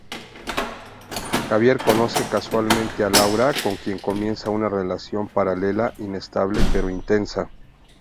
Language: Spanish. Javier conoce casualmente a Laura, con quien comienza una relación paralela, inestable pero intensa.